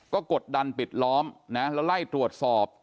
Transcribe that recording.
ก็กดดันปิดล้อมนะแล้วไล่ตรวจสอบ